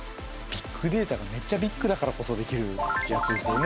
ビッグデータがめっちゃビッグだからこそできるやつですよね。